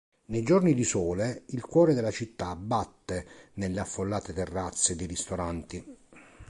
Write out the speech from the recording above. Nei giorni di sole, il cuore della città batte nelle affollate terrazze dei ristoranti.